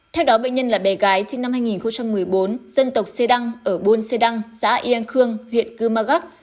theo đó bệnh nhân là bé gái sinh năm hai nghìn một mươi bốn dân tộc xê đăng ở buôn xê đăng xã yên khương huyện cư mơ gác